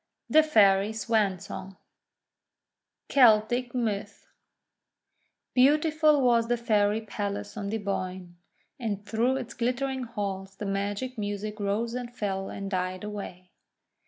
THE FAIRY SWAN SONG Celtic Myth BEAUTIFUL was the Fairy Palace on the Boyne, and through its glittering halls the magic music rose and fell and died away.